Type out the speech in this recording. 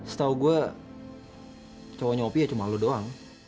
setau gue cowoknya opi ya cuma lo doang